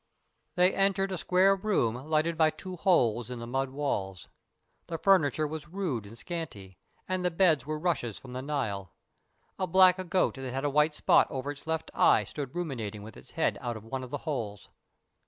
They entered a square room lighted by two holes in the mud walls. The furniture was rude and scanty, and the beds were rushes from the Nile. A black goat that had a white spot over its left eye stood ruminating with its head out of one of the holes.